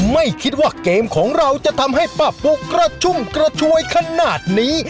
ไม่คิดว่าเกมของเราจะทำให้ป้าปุ๊กกระชุ่มกระชวยขนาดนี้